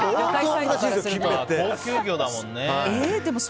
高級魚だもんね。